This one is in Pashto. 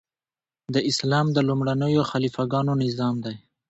د اسلام د لومړنیو خلیفه ګانو نظام دی.